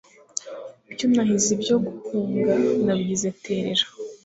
byo nahize ibyo guhunga nabigize terera